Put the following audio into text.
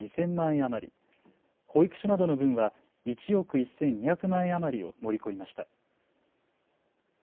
余り、保育所などの分は１億１２００万円余りを盛り込みました。